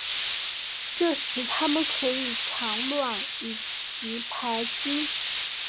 这时它们可以产卵及排精。